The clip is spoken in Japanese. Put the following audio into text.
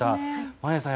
眞家さん